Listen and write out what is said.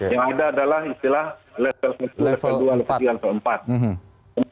yang ada adalah istilah level empat